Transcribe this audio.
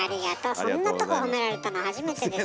そんなとこ褒められたの初めてです。